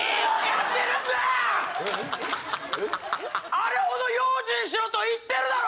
あれほど用心しろと言ってるだろ！